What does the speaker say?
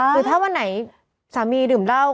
คือถ้าวันไหนสามีดื่มเหล้า